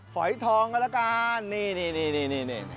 ฝอยทองกันแล้วกันนี่